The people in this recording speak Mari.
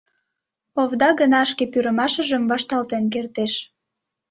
Овда гына шке пӱрымашыжым вашталтен кертеш.